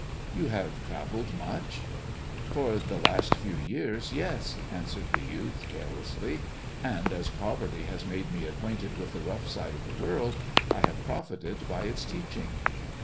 " You have travelled much 1 "" For the last few years, yes," answered the youth care lessly ;and as poverty has made me acquainted with the rough side of the world, I have profited by its teaching."